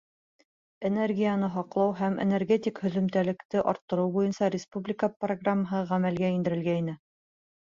Энергияны һаҡлау һәм энергетик һөҙөмтәлелекте арттырыу буйынса республика программаһы ғәмәлгә индерелгәйне.